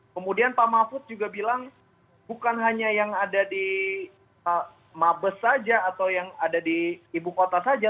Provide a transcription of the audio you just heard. kemudian pak mahfud juga bilang bukan hanya yang ada di mabes saja atau yang ada di ibu kota saja